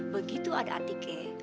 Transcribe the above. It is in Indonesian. begitu ada atikah